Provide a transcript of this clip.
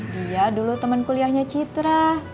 dia dulu teman kuliahnya citra